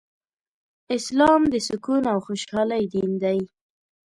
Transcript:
اسلام د سکون او خوشحالۍ دين دی